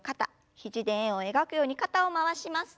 肘で円を描くように肩を回します。